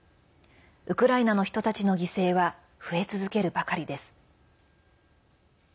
ウクライナの人たちの犠牲は増え続けるばかりです。